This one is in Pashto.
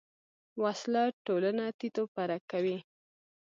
وسله ټولنه تیت و پرک کوي